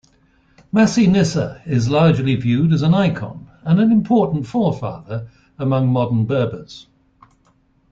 Masinissa is largely viewed as an icon and an important forefather among modern Berbers.